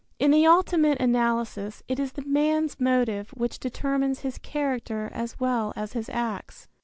In the ultimate analysis it is the man's motive which determines his character as well as his acts.